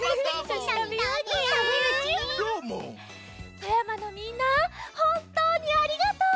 富山のみんなほんとうにありがとう！